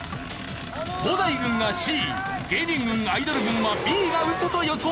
東大軍がＣ芸人軍アイドル軍はＢがウソと予想。